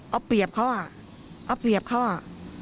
เอาเปรียบเขาเอาเปรียบเขา